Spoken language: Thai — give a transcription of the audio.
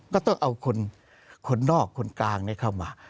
ก็ต้องเอาคนนอกคนกลางเข้ามา